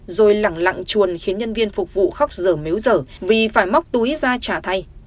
rồi lặng lặng chuồn khiến nhân viên phục vụ khóc dở méo dở vì phải móc túi ra trả thay